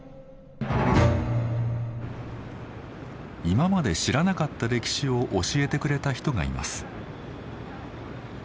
今まで知らなかった歴史を教えてくれた人がいます。